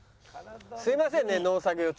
すみませんね農作業中。